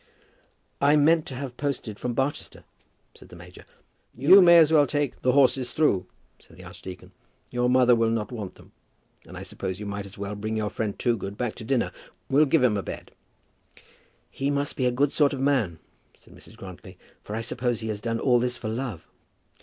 "I meant to have posted from Barchester," said the major. "You may as well take the horses through," said the archdeacon. "Your mother will not want them. And I suppose you might as well bring your friend Toogood back to dinner. We'll give him a bed." "He must be a good sort of man," said Mrs. Grantly; "for I suppose he has done all this for love?"